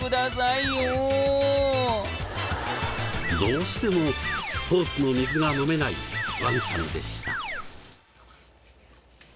どうしてもホースの水が飲めないワンちゃんでした。